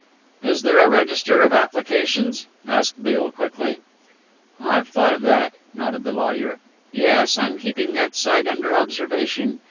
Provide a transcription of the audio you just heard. "Is there a register of applications?" asked Beale quickly. "I've thought of that," nodded the lawyer, "yes, I'm keeping that side under observation.